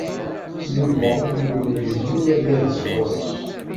Yuba yiwen ur yezmir ad yades ɣer-s.